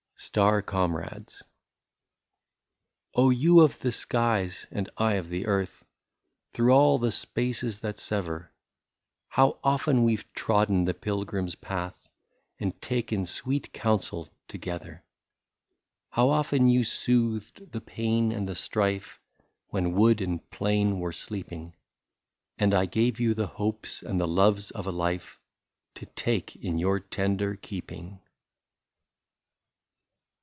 126 STAR COMRADES. Oh ! you of the skies, and I of the earth, Through all the spaces that sever, How often we Ve trodden the pilgrim's path. And taken sweet counsel together ! How often you soothed the pain and the strife. When wood and plain were sleeping. And I gave you the hopes and the loves of a life To take in your tender keeping.